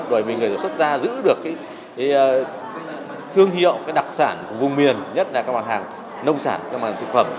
bởi vì người sản xuất ra giữ được thương hiệu đặc sản vùng miền nhất là các bản hàng nông sản các bản hàng thực phẩm